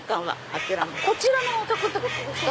こちらのお宅ってことですか？